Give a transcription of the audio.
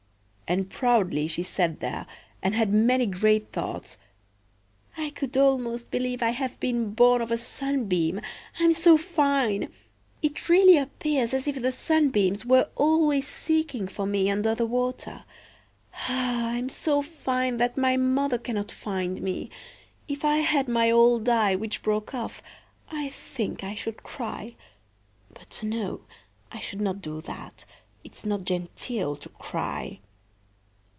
And proudly she sat there, and had many great thoughts. "I could almost believe I had been born of a sunbeam, I'm so fine! It really appears as if the sunbeams were always seeking for me under the water. Ah! I'm so fine that my mother cannot find me. If I had my old eye, which broke off, I think I should cry; but, no, I should not do that; it's not genteel to cry."